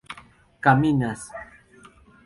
caminas